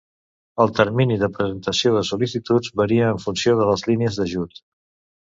El termini de presentació de sol·licituds varia en funció de les línies d'ajut.